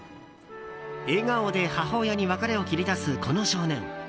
笑顔で母親に別れを切り出すこの少年。